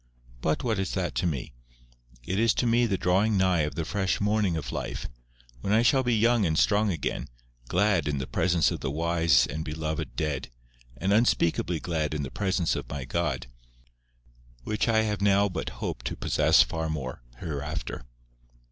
But what is that to me? It is to me the drawing nigh of the fresh morning of life, when I shall be young and strong again, glad in the presence of the wise and beloved dead, and unspeakably glad in the presence of my God, which I have now but hope to possess far more hereafter.